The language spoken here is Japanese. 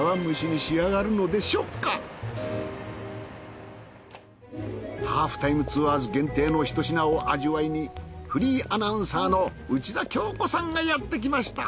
いったい『ハーフタイムツアーズ』限定のひと品を味わいにフリーアナウンサーの内田恭子さんがやってきました。